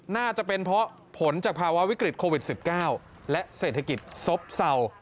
น่าจะเป็นเพราะผลจากภาวะวิกฤตโควิด๑๙และเศรษฐกิจซบเศร้า